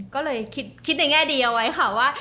ก็เลยคิดในแง่ดีเอาไว้ค่ะว่า